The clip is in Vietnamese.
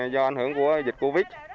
do ảnh hưởng của dịch covid